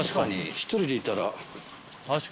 １人でいたら。